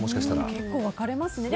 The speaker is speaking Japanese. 結構、分かれますね。